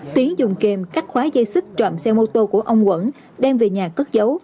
tiến dùng kềm cắt khóa dây xích trộm xe mô tô của ông quẩn đem về nhà cất giấu